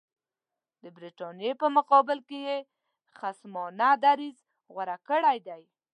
د برټانیې په مقابل کې یې خصمانه دریځ غوره کړی دی.